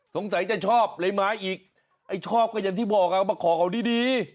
จะชอบเลยไม้อีกไอ้ชอบก็อย่างที่บอกมาขอเขาดีดี